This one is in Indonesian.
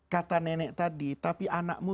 kata nenek tadi tapi anakmu